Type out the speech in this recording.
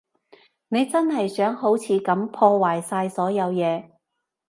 你真係想好似噉破壞晒所有嘢？